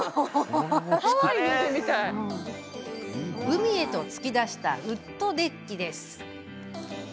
海へと突き出したウッドデッキ。